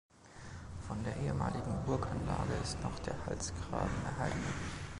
Von der ehemaligen Burganlage ist noch der Halsgraben erhalten.